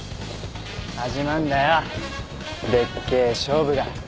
始まんだよでっけえ勝負が。